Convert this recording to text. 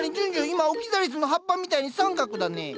今オキザリスの葉っぱみたいに三角だね。